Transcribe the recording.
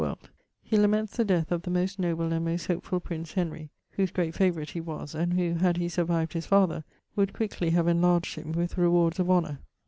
World_), he laments the death of the most noble and most hopefull prince Henry, whose great favourite he was, and who, had he survived his father, would quickly have enlarged him, with rewards of honour.